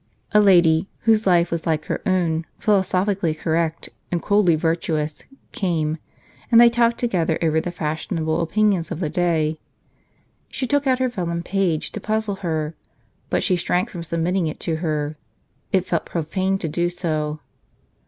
A lady, whose life was like her own, philosophically cor rect, and coldly virtuous, came; and they talked together over the fashionable opinions of the day. She took out her vellum page to puzzle her; but she shrank from submitting it to her : it felt profane to do so.